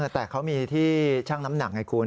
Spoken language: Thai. แต่เขามีที่ชั่งน้ำหนักไงคุณ